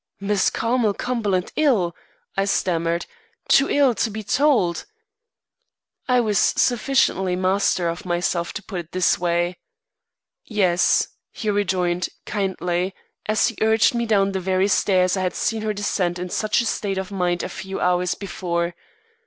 "Miss Carmel Cumberland ill?" I stammered, "too ill to be told?" I was sufficiently master of myself to put it this way. "Yes," he rejoined, kindly, as he urged me down the very stairs I had seen her descend in such a state of mind a few hours before.